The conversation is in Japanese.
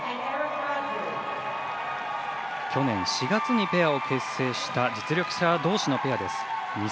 去年４月にペアを結成した実力者どうしのペアです。